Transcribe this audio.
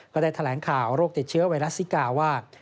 ก็ได้แถลงข่าวโรคติดเชื้อไวรัสซิกาว่า